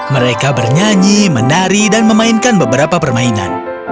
mereka bernyanyi menari dan memainkan beberapa permainan